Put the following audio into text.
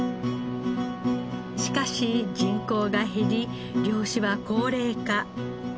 しかし人口が減り漁師は高齢化。